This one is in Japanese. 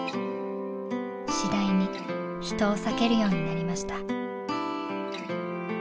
次第に人を避けるようになりました。